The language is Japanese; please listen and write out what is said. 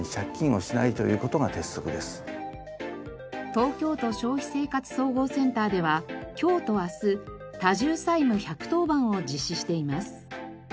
東京都消費生活総合センターでは今日と明日多重債務１１０番を実施しています。